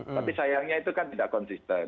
tapi sayangnya itu kan tidak konsisten